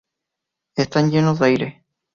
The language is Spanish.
Están llenos de aire.